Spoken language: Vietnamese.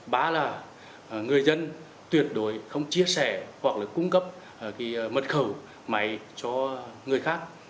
ba là người dân tuyệt đối không chia sẻ hoặc là cung cấp mật khẩu máy cho người khác